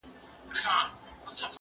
زه هره ورځ مېوې وچوم!؟